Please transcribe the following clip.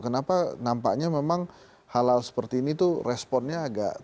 kenapa nampaknya memang hal hal seperti ini tuh responnya agak